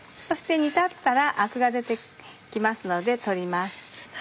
そして煮立ったらアクが出て来ますので取ります。